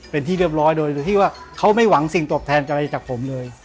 เป็นที่เรียบร้อยโดยที่ว่าเขาไม่หวังสิ่งตอบแทนอะไรจากผมเลย